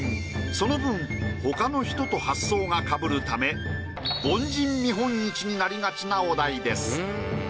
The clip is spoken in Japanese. その分他の人と発想がかぶるため凡人見本市になりがちなお題です。